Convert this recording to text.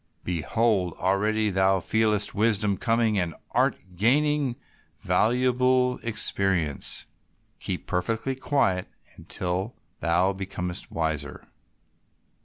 Behold, already thou feelest wisdom coming, and art gaining valuable experience. Keep perfectly quiet until thou becomest wiser."